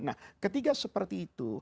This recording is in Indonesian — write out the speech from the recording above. nah ketiga seperti itu